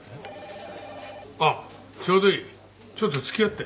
あっちょうどいい。ちょっと付き合って。